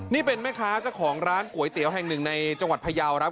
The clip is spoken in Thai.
นี่เป็นแม่ค้าเจ้าของร้านก๋วยเตี๋ยวแห่งหนึ่งในจังหวัดพยาวครับ